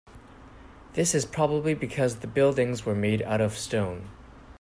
This is probably because the buildings were made out of stone.